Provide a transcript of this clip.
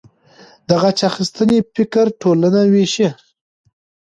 د غچ اخیستنې فکر ټولنه ویشي.